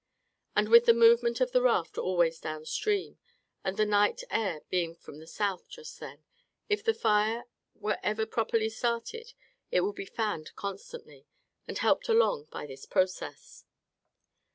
And with the movement of the raft always down stream; and the night air being from the south just then, if the fire were ever properly started, it would be fanned constantly, and helped along by this process.